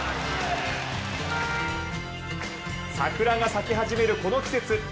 桜が咲き始めるこの季節。